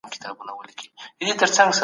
د سید رسول رسا ناول له نورو ناولونو ښکلی دی.